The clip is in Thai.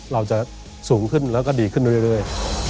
เราจะสูงขึ้นแล้วก็ดีขึ้นเรื่อย